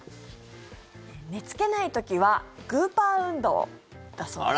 寝付けない時はグーパー運動だそうです。